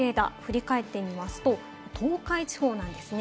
雷レーダー振り返ってみますと、東海地方なんですね。